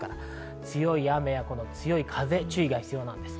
強い雨や風に注意が必要です。